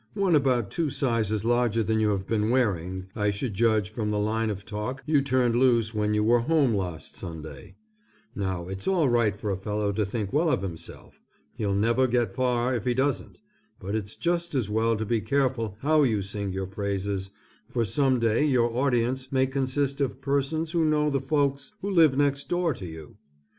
One about two sizes larger than you have been wearing, I should judge from the line of talk you turned loose when you were home last Sunday. Now it's all right for a fellow to think well of himself. He'll never get far if he doesn't, but it's just as well to be careful how you sing your own praises, for some day your audience may consist of persons who know the folks who live next door to you.